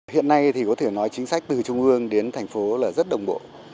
hiện nay thì có thể nói chính sách từ trung ương đến thành phố là rất đồng bộ